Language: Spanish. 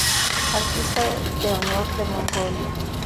Artista de Honor de Mongolia.